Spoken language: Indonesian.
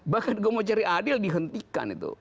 bahkan gue mau cari adil dihentikan itu